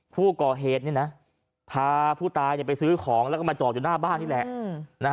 ผู้ก่อเหตุพาผู้ตายไปซื้อของแล้วก็มาจอดอยู่หน้าบ้านนี่แหละ